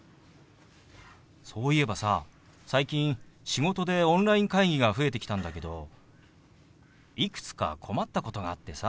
そういえばさ最近仕事でオンライン会議が増えてきたんだけどいくつか困ったことがあってさ。